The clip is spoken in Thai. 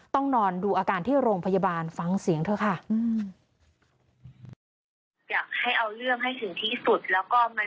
ต้องนอนดูอาการที่โรงพยาบาลฟังเสียงเถอะค่ะ